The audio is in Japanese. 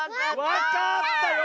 わかった！